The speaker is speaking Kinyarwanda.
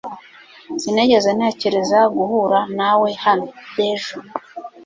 Sinigeze ntekereza guhura nawe hano .(Dejo)